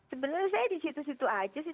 sebenarnya saya di situ situ aja sih